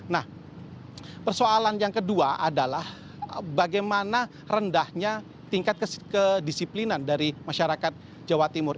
nah persoalan yang kedua adalah bagaimana rendahnya tingkat kedisiplinan dari masyarakat jawa timur